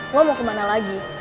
lo mau kemana lagi